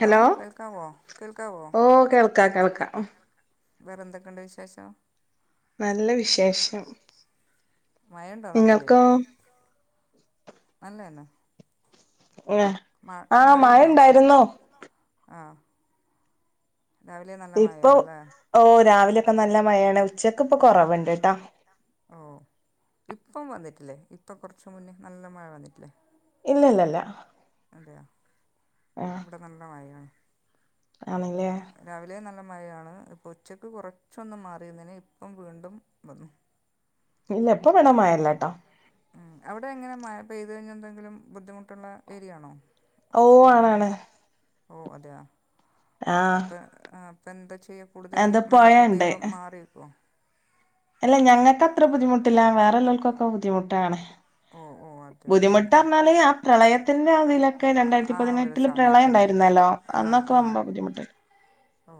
Hello കേൾക്കാവോ കേൾക്കാവോ ഓ കേൾക്ക കേൾക്ക വേറെന്തൊക്കെയുണ്ട് വിശേഷം നല്ല വിശേഷം മയണ്ടോ നാട്ടില് നിങ്ങൾക്കോ അല്ല അല്ല ആ ആ മഴ മഴയുണ്ടോ ഇണ്ടായിരുന്നു ആ രാവിലെ നല്ല ഇപ്പൊ മഴയാണല്ലേ ഓ രാവിലെക്കെ നല്ല മയേണ് ഉച്ചക്ക്പ്പൊ കൊറവുണ്ട് ട്ടോ ഓ ഇപ്പം വന്നിട്ടില്ലേ ഇപ്പൊ കൊറച്ച് മുന്നേ നല്ല മഴ വന്നിട്ടില്ലേ ഇല്ലല്ലല്ല അതെയാ ആഹ് ഇവിടെ നല്ല മഴേണ് ആണല്ലേ നല്ല മഴയാണ് ഇപ്പൊ ഉച്ചക്ക് കുറച്ചൊന്ന് മാറിയതേന് ഇപ്പം വീണ്ടും വന്നു ഇല്ല ഇപ്പവടെ മയല്ലെട്ടാ മ് അവിടെ എങ്ങനെ മഴ പെയ്ത് കഴിഞ്ഞന്തെങ്കിലും ബുദ്ധിമുട്ടുള്ള ഏരിയാണോ ഓ ആണാണ് ഓ അതെയ ആഹ് അപ്പൊ അപ്പ എന്താ ചെ യ്യാ കൂടുതല് അത് മഴക്കെ പൊഴണ്ട് പെയ്യുമ്പോ മാറി നിക്കോ അല്ല ഞങ്ങക്ക് അത്ര ബുദ്ധിമുട്ടില്ല വേറെള്ളോൽകൊക്കെ ബുദ്ധിമുട്ടാണ് ഓ ഓ അതെ തന്നെ ബുദ്ധിമുട്ടറഞ്ഞാല് ആ പ്രളയത്തിന്റതിലൊക്കെ രണ്ടായിരത്തി ആ ഒരു പതിനെട്ടില് പ്രളയം സമയത്തല്ലേ ഇണ്ടായി രുന്നല്ലോ ആ അന്നൊക്കെ ആ വമ്പം ബുദ്ധിമുട്ടേര്ന്ന് ഓ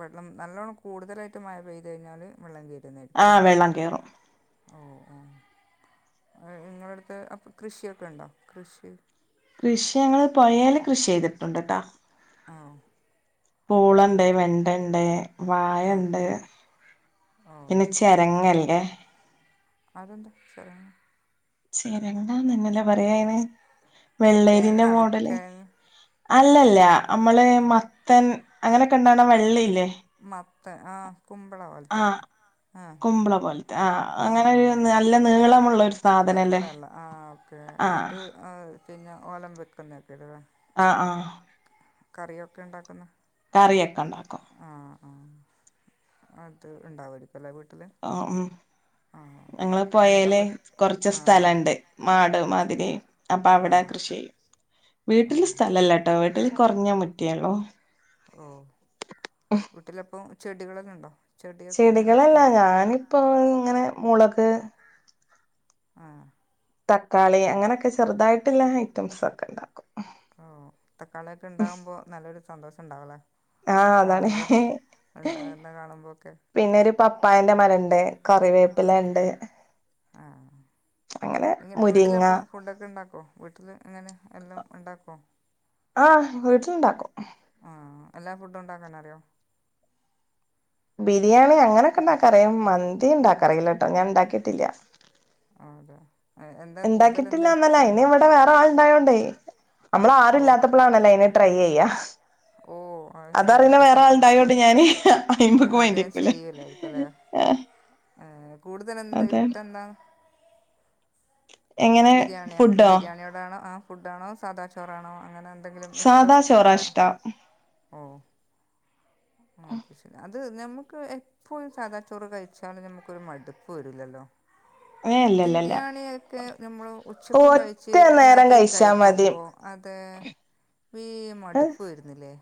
വെള്ളം നല്ലോണ്ണം കൂടുതലായിട്ട് മഴ പെയ്ത് കഴിഞ്ഞാല് വെള്ളം കയറും ആ വെള്ളം കേറും ഇങ്ങളടുത്ത് അപ്പൊ കൃഷിയൊക്കെ ഉണ്ടോ കൃഷി കൃഷി ഞങ്ങള് പൊയേല് കൃഷി ചെയ്തിട്ടുണ്ട്ട്ടാ ഓ പൂളണ്ട്, വീട്ട് വെണ്ടണ്ട്, ആ വായണ്ട് ഓ പിന്നെ ചെരങ്ങല്ലേ അതെന്ത ചെരങ്ങ ചെരങ്ങന്നനല്ലേ പറയായിന് വെള്ളരിന്റെ കിഴങ്ങാണോ മോഡല് കിഴങ്ങ് അല്ലല്ല നമ്മള് മത്തൻ അങ്ങനെക്കെ ഇണ്ടാക്ണ വള്ളിയില്ലേ ആ കുമ്പള പോലെത്തെ ആഹ് കുമ്പള പോലത്തെ ആ അങ്ങനെ ഒരു ആ നല്ല നീളമുള്ള ഒരു സാധനല്ലേ നിലവിള അല്ല ആ ഓക്കെ ആഹ് അത് പിന്നെ ഓലം വെക്കുന്ന ഒക്കെ ഇത് ലെ ആ ആ കറിയൊക്കെ ഇണ്ടാക്കുന്ന കറിയൊക്കെ ഇണ്ടാക്കോ ആ അത് ഇണ്ടാവപ്പല്ലെ വീട്ടില് ഞങ്ങള്ൾ പൊഴയില് കൊറച്ച് ആ സ്ഥലംഉ ണ്ട് മാട് മതിരിയും അപ്പൊ ആ അവിടെ കൃഷി ചെയ്യും വീട്ടില് സ്ഥലല്ലട്ടോ വീട്ടില് കുറഞ്ഞ മുറ്റ മേ ഇള്ളൂ. ഓ വീട്ടിലപ്പം ചെടികളെല്ലാം ഇണ്ടോ ചെടികളല്ല ഞാനിപ്പോൊ ഇങ്ങനെ മുളക് ആഹ്. തക്കാളി അങ്ങനെയൊക്കെ ചെറുതായിട്ടുള്ള ഐറ്റംസ് ഒക്കെ ഉണ്ടാക്കും. ഓ തക്കാളിയൊക്കെ ഉണ്ടാകുമ്പോ നല്ലൊരു സന്തോഷം ഉണ്ടാവുമല്ലേ. ആഹ് അതാണ്. ഉണ്ടാകുന്ന കാണുമ്പോൾ ഒക്കെ പിന്നെ ഒരു പപ്പായന്റെ മരണ്ട് കറിവേപ്പില ഇണ്ട്. ആ ഇങ്ങനെ മുരിങ്ങ വീട്ടിലപ്പം ഫുഡൊക്കെ ഉണ്ടാക്കോ വീട്ടില് ഇങ്ങനെ എല്ലാം ഉണ്ടാക്കോ ആഹ് വീട്ടിലുണ്ടാക്കും. ആ എല്ലാ ഫുഡും ഉണ്ടാക്കാനറിയോ. ബിരിയാണി അങ്ങനെയൊക്കെ ഉണ്ടാക്കാൻ അറിയാം മന്തി ഉണ്ടാക്കാൻ അറിയില്ല കേട്ടോ ഞാൻ ഉണ്ടാക്കിട്ടില്ല. ആ, അതെ. എ, എന്താ കൂടുതൽ എന്താ ഉണ്ടാക്കിട്ടില്ലന്നല്ല ഇനി ഇഷ്ടമുണ്ടോ ഇവിടെ വേറെ ആൾ ഇണ്ടായോണ്ടേ. നമ്മള ആരു ഇല്ലാത്തപ്പോളാണല്ലോ അത് ട്രൈ ചെയ്യ. ഓ ഓ ആ ശരി ആളുണ്ടായോണ്ട് ഞാന് അയിമക്ക് അത് മൈന്റെക്കൂല ചെയ്യൂലായിരിക്കുംല്ലേ. ആഹ് ഏഹ് കൂടുതൽ എന്താ ഇഷ്ട അതാണ് എന്താ എങ്ങനെ ബിരിയാണിയ ഫുഡോ ബിരിയാണിയോടാണോ ആ ഫുഡ് ആണോ സാദാ ചോറാണോ അങ്ങനെ എ എന്തെങ്കിലും ഇട്ട് സാദാ ചോറാ ഉള്ള ഇഷ്ടം ഓ അ അത് ശരി അ. അത് നമ്മുക്ക് എപ്പഴ് സാധാ ചോറ് കഴിച്ചാലും നമുക്ക് ഒരു മടുപ്പ് വരുല്ലല്ലോ ഏഹ് ഇല്ലല്ലല്ല ബിരിയാണി ഒക്കെ. നമ്മള് ഉച്ചക്കും കഴിച്ച് ഒറ്റ നേരം രാത്രി കഴിച്ചാ മതി കഴിക്കുമ്പോൾ അത് വീ മടുപ്പ് വരുന്നില്ലേ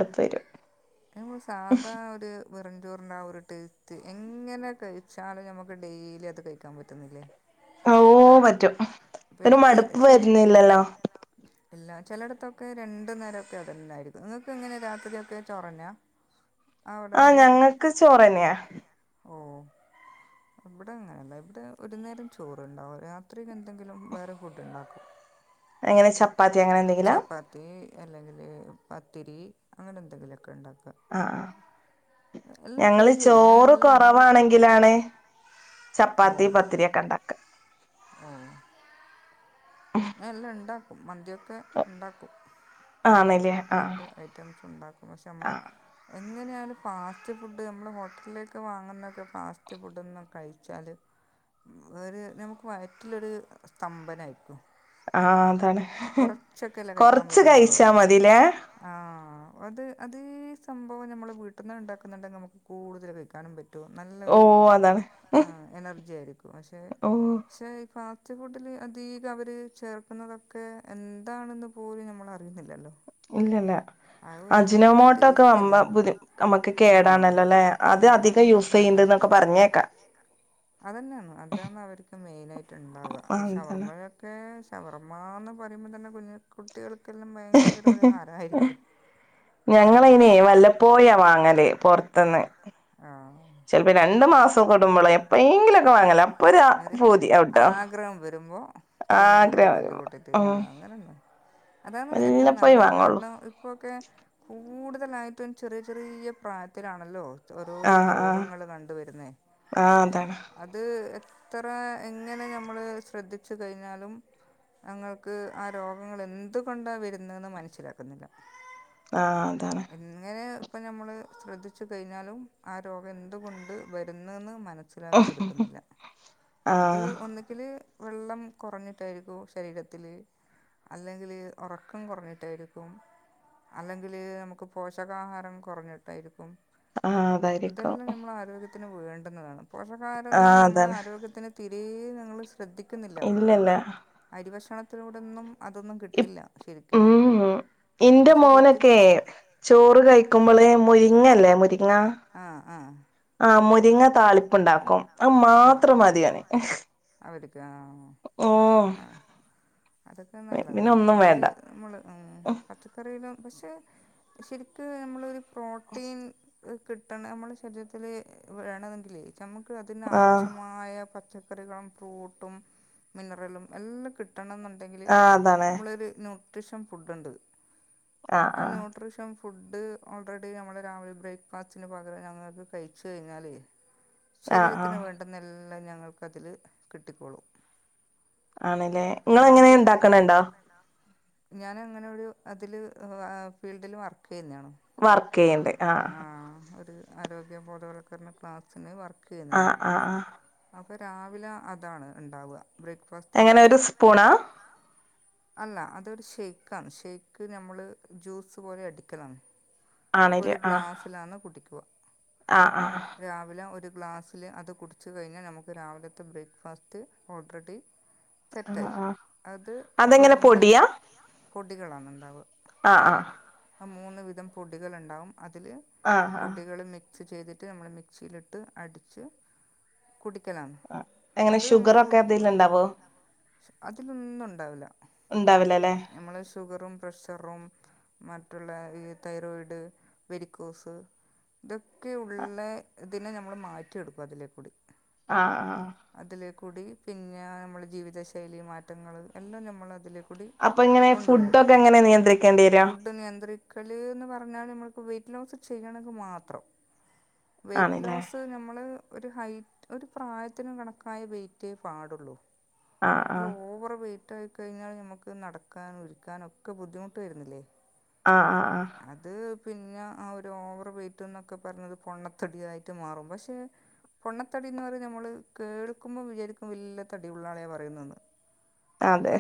പത്തരും [inaudible] നമ്മൾ സാധാ ഒരു വെറിഞ്ചോറിന്റെ ആ ഒരു ടേസ്റ്റ് എങ്ങനെ കഴിച്ചാലും ഞമ്മക്ക് ഡെയിലി അത് കഴിക്കാൻ പറ്റുന്നില്ലേ. ഓ പറ്റും ഒരു പിന്നെ ഈ മടുപ്പ് ചില വരുന്നില്ലല്ലോ. എല്ലാ ചിലയിടത്തൊക്കെ രണ്ടു നേരമൊക്കെ അതന്നായിരിക്കും നിങ്ങൾക്ക് എങ്ങനെ രാത്രിയൊക്കെ ചോറ് തന്നയാ. ആഹ് ഞങ്ങക്ക് ചോറന്നയാ. ഓ ഇവിടെ അങ്ങനല്ല ഇവിടെ ഒരു നേരം ചോറണ്ടാവും രാത്രി ക എന്തെങ്കിലും വേറെ ഫുഡ് ഉണ്ടാക്കും. അങ്ങനെ ചപ്പാത്തി അങ്ങനെ എന്തെങ്കിലാ ചപ്പാത്തി അല്ലെങ്കിൽ പത്തിരി അങ്ങനെ എന്തെങ്കിലുമൊക്കെ ഉണ്ടാക്കുക. ആഹ് ആഹ് എല്ലാം ട്രൈ ഞങ്ങള് ചെയ്യും ചോറ് ഞാനെല്ലാം ഉണ്ടാക്കും കുറവാണെങ്കിലാണ്. ചപ്പാത്തി പത്തിരി ഒക്കെ ഉണ്ടാക്ക ഉം എല്ലാം ഉണ്ടാക്കും മന്തിയൊക്കെ ക്കെ ഉണ്ടാക്കും എല്ലാം ആണല്ലേ ആഹ് ഫുഡ് ഐറ്റംസും ഉണ്ടാക്കും പഷേ നമ്മള് ആഹ് അങ്ങനെയാണ് ഫാസ്റ്റ് ഫുഡ് നമ്മൾ ഹോട്ടലിലേക്ക് വാങ്ങുന്നതൊക്കെ ഫാസ്റ്റ് ഫുഡൊന്നും കഴിച്ചാല് വേറെ നമുക്ക് വയറ്റിലൊരു സ്തംഭന ആയിരിക്കും. ആ അതാണ് കഴിക്കാൻ കൊറച്ച് പറ്റുന്നുള്ളൂ കഴിച്ചാ മതിലേ ആഹ് അത് അതീ സംഭവം നമ്മള് വീട്ടന്ന ഉണ്ടാക്കുന്നുണ്ടെങ്കിൽ നമുക്ക് കൂടുതൽ കഴിക്കാനും പറ്റ റ്റും ഓ നല്ലൊരു അതാണ് എനർജി ആയിരിക്കും പക്ഷെ ഓ പക്ഷെ ക ഫാസ്റ്റ് ഫുഡിൽ അധീകം അവർ ചേർക്കുന്നതൊക്കെ എന്താണെന്ന് പോലും നമ്മൾ അറിയുന്നില്ലല്ലോ. അത് നല്ലൊരു അജിനോമോട്ട ഒക്കെ ടേസ്റ്റല്ലേ ആവുമ്പോ നമ്മുക്ക് ആഹ് കേടാണല്ലോ അല്ലെ അത് അധികം നല്ല യൂസ് ചെയ്യ. കേടാ ന്നത് പറഞ്ഞേക്കാം. അതന്നെയാണ് അതാന്ന് അവർക്ക് മെയിന ആയിട്ട് ഉണ്ടാവുക ആ തന്നെ ഷവർമ്മയൊക്കെ. ഷവർമ്മയന്ന് പറയുമ്പോൾ തന്നെ കുഞ്ഞു കുട്ടികൾക്കെല്ലാം ഭയങ്കര ഒരു ഹാരയിരിക്കും ഞങ്ങളൈനെ വല്ലപ്പോയ വാങ്ങല് പൊറ്ത്തന്ന്. ആഹ് ചിലപ്പോ രണ്ടു മാസം കൊടുമ്പോള എപ്പോെങ്കിലുംക്കെ വാങ്ങല ഒരു പറി പൂതി ആവുട്ടോ ആഗ്രഹം വെരുമ്പോ കുഞ്ഞുങ്ങളൊക്കെ ആഗ്രഹം പോയിട്ട് വരുമ്പോ കൂട്ടിട്ട് ഉം ആഹ് അങ്ങനെന്നെ അതാണ് ഏറ്റവും വല്ലപ്പോഴേ നല്ലത് വാങ്ങുള്ളൂ കാരണം ഇപ്പോക്കെ കൂടുതലായിട്ടും ചെറിയ ചെറിയ പ്രായത്തിലാണല്ലോ ആ ഓരോരോ ആ രോഗങ്ങള് കണ്ടോവരുന്നേ? ആ അതാണ് അത് എത്ര എങ്ങനെ ഞമ്മള് ശ്രദ്ധിച്ചു കഴിഞ്ഞാലും. ഞങ്ങക്ക് ആ രോഗങ്ങളെന്തുകൊണ്ടാ വെരുന്നേന്ന് മനസ്സിലാക്കത്തില്ല ആഹ് അതാണ് അപ്പോൾ നമ്മൾ ശ്രദ്ധിച്ചു കഴിഞ്ഞാലും ആ രോഗം എന്തുകൊണ്ട് വരുന്നെന്ന് മ മനസിലാക്കിയെടുക്കുന്നില്ല ആ അത് ഒന്നെങ്കില് വെള്ളം കുറഞ്ഞിട്ടായിരിക്കോ ശരീരത്തില്. അല്ലെങ്കില് ഒറക്കം കൊറഞ്ഞിട്ടായിരിക്കും. അല്ലെങ്കില് നമുക്ക് പോഷകാഹാരം കൊറഞ്ഞിട്ടായിരിക്കും. ആഹ് അതായിരിക്കും ഉം ത്തിന് വേണ്ടുന്നതാണ് പോഷകാരും നമ്മള് അതാണ് തീരെ നമ്മൾ ശ്രദ്ധിക്കുന്നില്ല ഇല്ലല്ല അരി ഭക്ഷണത്തിലൂടെന്നും ഒന്നും കിട്ടില്ല ശരിക്ക ഉം ഇന്റെ മോനൊക്കെ ചോറ് കഴിക്കുമ്പോള് മുരിങ്ങല്ലേ മുരിങ്ങ ആഹ് ആഹ് ആ മുരിങ്ങ താളിപ്പ്ണ്ടാക്കും അത് ആഹ് മാത്രം മതിഒന് അവര്ക്ക് ആഹ് ആഹ് അതൊക്കെ പിന്നെ നല്ലതാണ് ഒന്നും അത് വേണ്ട നമ്മള് പച്ചക്കറിയിലും പക്ഷെ ശെരിക്ക് നമ്മളൊരു പ്രോട്ടീൻ കിട്ടണം നമ്മുടെ ശരീരത്തിൽ വേണതെങ്കിൽേ നമുക്ക് അതി ആഹ് ആവശ്യമായ പച്ച ക്കറികളും ഫ്രൂട്ടും മിനറലും എല്ലാം കി കിട്ടണം എന്നുണ്ടെങ്കിൽ ആഹ് അതാണ് നമ്മളൊരു ന്യൂട്രീഷ്യൻ ഫുഡ്ണ്ട് ആഹ് ആ ആഹ് നുട്രിഷൻ ഫുഡ് ഓൾറെഡി നമ്മളെ രാവിലെ ബ്രേക്ക്ഫാസ്റ്റിന് പകരം ഞങ്ങൾത് കഴിച്ചു കഴിഞ്ഞാലേ ആഹ് ആഹ് ശരീരത്തിന് വേണ്ടുന്നെല്ലാം ഞങ്ങൾക്ക്തില് കിട്ടിക്കോളും. ആണ്ലേ? ഇങ്ങളെങ്ങനെ ഇണ്ടാക്ണ് ണ്ടോ? ഞാന അങ്ങനെ ഒരു അതില് ഫീൽഡില് വർക്ക് ചെയ്യുന്നതാണ് വർക്കെയ്യ്ണ്ട് ആഹാ ആരോഗ്യം ബോധവൽക്കരണ ക്ലാസ്സിന് വർക്ക് ആഹ ആ ആ അപ്പൊ രാവിലെ അതാണ് ഇണ്ടാവാ. എങ്ങനെ ഒരു സ്പൂണാ? അല്ല അതൊരു ഷെയ്ക്ക് ആണ് ഷെയ്ക്ക് നമ്മള് ജ്യൂസ് പോലെ അടിക്കലാണ്. ആണ്ല്ലേ അപ്പൊരു ആഹ് ഗ്ലാസ്സിലാന്ന് കുട്ടിക്കുക ആഹ് ആഹ് രാവിലെ ഒരു ഗ്ലാ ഗ്ലാസ്സിൽ അത് കുടിച്ച കഴിഞ്ഞാൽ നമുക്ക് രാവിലത്തെ ബ്രേക്ക്ഫാസ്റ്റ് ഓൾറെഡി ആഹ് സെറ്റായി ആഹ് അത് അതെങ്ങനെ വേണ്ടുന്ന പൊടിയാ പൊടികളാണ് ഉണ്ടാവു ആ ആ മൂന്ന് വിധം പൊടികൾ ഉണ്ടാവും അതില് ആഹ് പൊടികള് മ മിക്സ് ചെയ്തിട്ട് നമ്മൾ മിക്സിയിലിട്ട് അടിച്ച് കുടി കുടിക്കലാണ് ആ എങ്ങനെ അത് നമ്മൾ ഷുഗർ ഒക്കെ എന്തെിലും ഉണ്ടാവോ? അതിലൊന്നും ഉണ്ടാവില്ല. ഇണ്ടാവില്ലല്ലേ നമ്മളള് ഷുഗറും പ്രശ് റും മറ്റുള്ള തൈറോയിഡ് വേരിക്കോസ് ഇതൊ ഒക്കെ ഉള്ള തിനെ നമ്മള് മാറ്റിയെടുക്കും അതിലേക്കൂടി ആ ആ കൂടി പിന്നെ നമ്മളെ ജീവിതശൈലി മാറ്റങ്ങൾ എല്ലാം നമ്മൾ അതിലേ അപ്പൊ ഇങ്ങനെ ഫുഡ് ഒക്കെ എങ്ങനെ നിയന്ത്രിക്കേണ്ടിയേര? ക്കല് എന്ന് പറഞ്ഞാല് നമ്മുക്ക് വെയിറ്റ് ലോസ് ചെയ്യണങ്കിൽ മാത്രം വെയ്റ്റ് ആണല്ലേ ലോസ് ഞമ്മള് ഒരു ഹൈറ്റ് ഒരു പ്രായത്തിനും കണക്കായ വെയിറ്റേ പാടുള്ളൂ ആഹ് നമ്മള് ആഹ് ഓവർ വെയിറ്റ് ആയി കഴിഞ്ഞാല് നമ്മുക്ക് നടക്കാനും ഒരുക്കാനും ഒക്കെ ബുദ്ധിമുട്ട് വരുന്നില്ലേ ആ ആ ആ അത് പിന്നെ ആ ഒരു ഓവർ വെയ്റ്റ് എന്നൊക്കെ പറഞ്ഞത് പൊണ്ണത്തടി ആയിട്ട് മാറും പക്ഷെ പൊണ്ണത്തടി എന്ന് പറയുന്നെ നമ്മള് കേൾക്കുമ്പം വിചാരിക്കും വല്യ തടി ഉള്ളാളെ പറയുന്നെന്ന് അതെ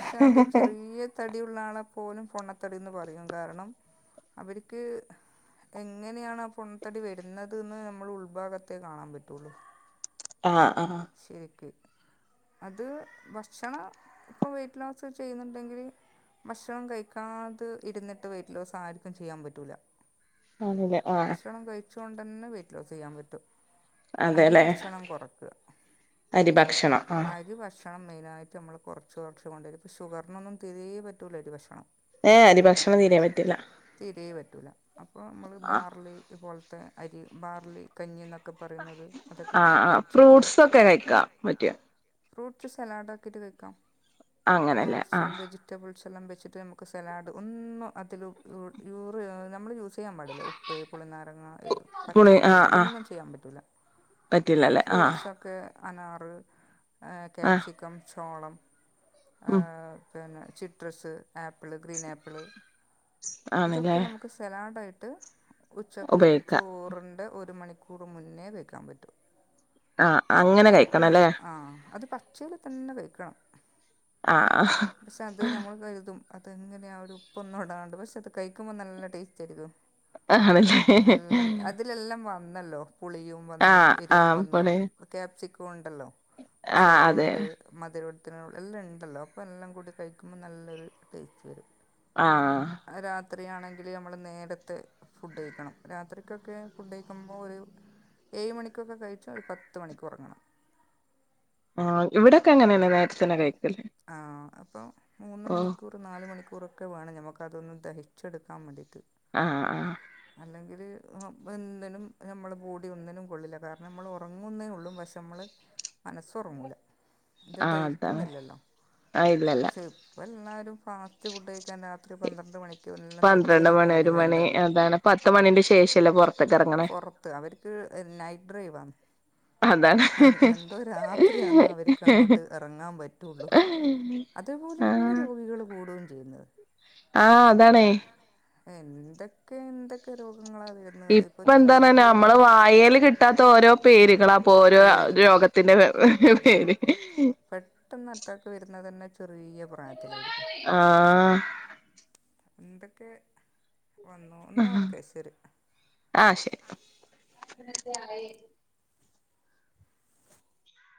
ചെറിയ തടി ഉള്ള ആളെപ്പോലും പൊണ്ണത്തടിന്ന് പറയും കാരണം അവർക്ക് എങ്ങനെയാണ് ആ പൊണ്ണത്തടി വരുന്നത് ന്ന് നമ്മൾ ഉൾഭാഗത്തെേ കാണാൻ പറ്റുള്ളു ആ ആ അത് ഭക്ഷണം ഇപ്പൊ വെറ്റ് ലോസ് ചെയ്യുന്നുണ്ടെങ്കില് ഭക്ഷണം കഴിക്കാതെ ഇരുന്നിട്ട് വെയ്റ്റ് ലോസ് ആർക്കും ചെയ്യാൻ പറ്റൂല ആണ്ലേ ആ ച്ച് കൊണ്ടെന്നെ വെയിറ്റ് ലോസ് ചെയ്യാൻ പറ്റും അരി അതെല്ലേ ഭക്ഷണം കുറയ്ക്കുക അരി ഭക്ഷണം ആ അരി ഭക്ഷണം മെയിനായിട്ട് നമ്മൾ കുറച്ച് കുറച്ച് കൊണ്ടുവരും പ്പോ ഷുഗറിനൊന്നും തീരെ പറ്റൂല അരി ഭക്ഷണം ഏ അരി ഭക്ഷണം തീരെ പറ്റില അപ്പോ നമ്മള് ബാർലി പോലത്തെ അരി ബാർലി കഞ്ഞി ക്കെ പറയുന്നത് അതൊക്കെ ആഹ് കുടിക്ക ആഹ് ഉച്ചക്ക് ഫ്രൂട്ട്സ് ഒക്കെ കഴിക്കാം പറ്റും ഫ്രൂട്ട്സ് സലാഡ് ആക്കിയിട്ട് കഴിക്കാം അങ്ങനെല്ലേ ആ സെല്ലാം വച്ചിട്ട് നമുക്ക് സലാഡ് ഒന്നും അതികം യൂറി നമ്മള് യൂസ് ചെയ്യാൻ പാടില്ല ഉപ്പ് പുളിനാരങ്ങ പുളി പച്ചമുളക് ആഹ് ആഹ് ഇതൊന്നും ചെയ്യാൻ പറ്റൂല പറ്റില്ലല്ലേ ആ അനാറ് കാപ്സിക്കം ചോളം ഉം പിന്നെ സിട്രസ്സ് ആപ്പിള് ഗ്രീൻ ആപ്പിള് ഇതൊക്കെ ആണല്ലേ നമുക്ക് സലാഡായിട്ട് ഉച്ചക്ക് ഉപയോഗിക്കാം ചോറിന്റെ ഒരു മണിക്കൂർ മുന്നേ കഴിക്കാൻ പറ്റും ആ അങ്ങനെ കഴിക്കണല്ലേ? ച്ചില് തന്നെ വെക്കണം ആ കരുതും അതെങ്ങനെയാ ആ ഒരു ഉപ്പൊന്നും ഇണ്ടാണ്ട് പക്ഷെ അത് കഴിക്കുമ്പോ നല്ല ടേസ്റ്റ് ആയിരിക്കും ആണല്ലേ ല്ലോ പുളിയും വന്നു ആഹ് എരിവും ആഹ് വന്നു പുളി ക്യാപ്സിക്ക ണ്ടല്ലോ ആഹ് ചോളം അതെ ഉണ്ട് മതിരം ത്തി എല്ലാം ഉണ്ടല്ലോ അപ്പൊ എല്ലാം കൂടി കഴിക്കുമ്പോൾ നല്ലൊരു ടേസ്റ്റ് വരും ആ ത്രിയാണെങ്കില് നമ്മൾ നേരത്തെ ഫുഡ് കഴിക്കണം രാത്രിക്കൊക്കെ ഫുഡ് കഴിക്കുമ്പോ ഒരു ഏഴ് മണിക്കൊക്കെ കഴിച്ചു ഒരു പത്ത് മണിക്ക് ഉറങ്ങണം ആ ഇവിടൊക്കെ അങ്ങനെയന്നെ നേരത്തെത്തന്നേ കഴിക്കൽ ആ അപ്പൊ മൂന്ന് മണിക്കൂർ നാല് മണിക്കൂർ ക്കൂറൊക്ക വേണം നമുക്കതൊന്ന് ദഹിച്ചെടുക്കാൻ വേണ്ടിയിട്ട് ആ ആ ആ അല്ലെങ്കില് എന്തിനും നമ്മളെ ബോഡി ഒന്നിനും കൊള്ളില്ല കാരണം നമ്മള് ഉറങ്ങുംന്നേ ഉള്ളു പക്ഷെ നമ്മള് മനസ്സുറാങ്ങുലാഇത് ദഹിക്കുന്നില്ലല്ലോ ആയിലല്ല എല്ലാരും ഫാസ്റ്റ് ഫുഡ് ക ഴിക്കാൻ രാത്രി പന്ത്രണ്ട് മണിക്ക്എല്ലാം പന്ത്രണ്ട് തട്ടുകടന്റെ മണി ഒരു മണി മുന്നിലാഉണ്ടാവുക അതാണ് [unintelligible] പത്ത് എന്താണ് മണിന്റെ പത്ത്മണിന്റെ ശേഷല്ലേ ശേഷല്ലെ പുറത്തേക്ക് പു ഇറങ്ങണേ പുറത്ത് അവർക്ക് നൈറ്റ് ഡ്രൈവാ അതാണ് എന്തോ രാത്രിയാന്ന് അവർക്ക് അങ്ങോട്ട് എറങ്ങാൻ പറ്റുള്ളു ആ അതേപോലെന്നെ രോഗികൾ കൂടുകയും ചെയ്യുന്നത് ആ അതാണേ എന്തൊക്കെ എന്തൊക്കെ രോ ഇപ്പ എന്തന്ന നമ്മള് വായേല് കിട്ടാത്ത ഓരോ പേരുകളാ അപ്പൊ ഓരോ വരും രോഗത്തിന്റെ ഓരോ പേര് ട്ടന്ന് അറ്റാക്ക് വരുന്നത് തന്നെ ചെറിയ പ്ര ആ ആ എന്തൊക്കെ വന്നു എന്നാ ഓക്കെ ശരി ആ ശരി